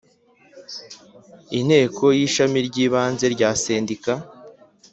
inteko y ishami ry ibanze rya sendika